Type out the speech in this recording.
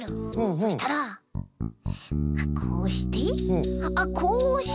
そしたらこうしてあっこうして。